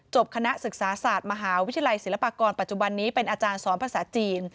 คณะศึกษาศาสตร์มหาวิทยาลัยศิลปากรปัจจุบันนี้เป็นอาจารย์สอนภาษาจีน